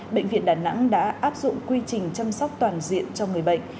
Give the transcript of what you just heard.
bệnh viện đà nẵng đã áp dụng quy trình chăm sóc toàn diện cho người bệnh